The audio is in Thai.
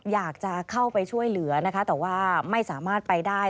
อยากจะเข้าไปช่วยเหลือนะคะแต่ว่าไม่สามารถไปได้